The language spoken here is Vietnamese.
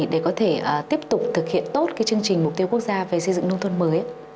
để có thể tiếp tục thực hiện tốt chương trình mục tiêu quốc gia về xây dựng nông thôn mới